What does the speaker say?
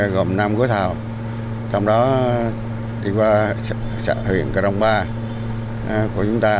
gồm năm gối thảo trong đó đi qua chợ huyện cronpa của chúng ta